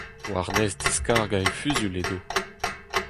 War-nes diskargañ e fuzuilh edo…